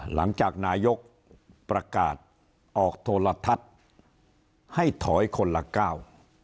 หลังจากนายกประกาศออกโทรทัศน์ให้ถอยคนละก้าว